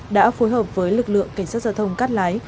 đã phối hợp với lực lượng cảnh sát giao thông cắt lái